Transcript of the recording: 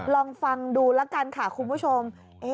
ลองฟังดูแล้วกันค่ะคุณผู้ชม